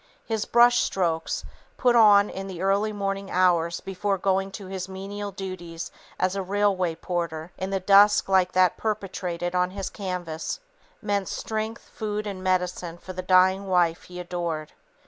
His brush strokes, put on in the early morning hours before going to his menial duties as a railway porter, in the dusk like that perpetuated on his canvas, meant strength, food and medicine for the dying wife he adored.